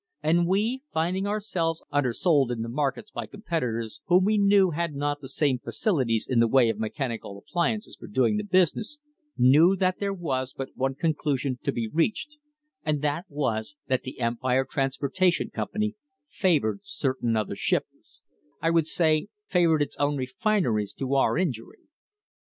And we, finding our j selves undersold in the markets by competitors whom we knew had not the same facilities in the way of mechanical appli ances for doing the business, knew that there was but one con | elusion to be reached, and that was that the Empire Transpor tation Company favoured certain other shippers, I would say favoured its own refineries to our injury."